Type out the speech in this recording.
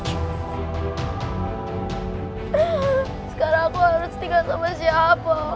eh sekarang aku harus tinggal sama siapa